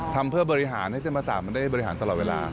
ทำเพื่อบริหารให้เส้นประสาทมันได้บริหารตลอดเวลา